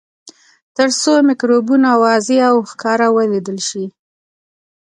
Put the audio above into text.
تر څو مکروبونه واضح او ښکاره ولیدل شي.